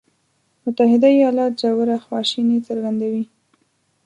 متحده ایالات ژوره خواشیني څرګندوي.